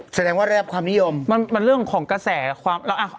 แสดงว่าแรบความนิยมมันเรื่องของกระแสกับความแล้วอ่ะ